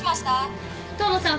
遠野さん